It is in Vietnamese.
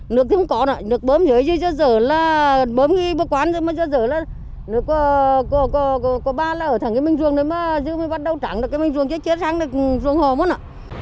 nước thì không có nè nước bơm dưới dơ dở là bơm đi bơm quán dơ dở là nước có ba là ở thẳng cái mình ruồng đấy mà dư mới bắt đầu trắng rồi cái mình ruồng chết chết răng rồi ruồng hồ mất nè